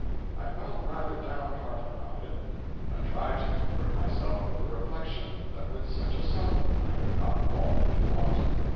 I felt rather down hearted about it, but I tried to comfort myself with the reflection that with such a sum I could not fall into want.